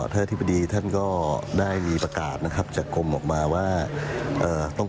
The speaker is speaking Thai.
ถ้าที่ปดีท่านก็กดได้มีประกาศจะกรมออกมาว่าต้อง